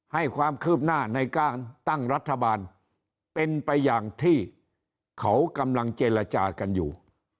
ให้ความคืบหน้าในการตั้งรัฐบาลเป็นไปอย่างที่เขากำลังเจรจากันอยู่